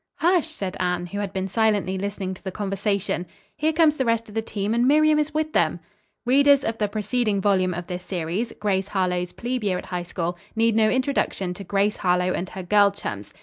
"Hush!" said Anne, who had been silently listening to the conversation. "Here comes the rest of the team, and Miriam is with them." Readers of the preceding volume of this series, "GRACE HARLOWE'S PLEBE YEAR AT HIGH SCHOOL," need no introduction to Grace Harlowe and her girl chums.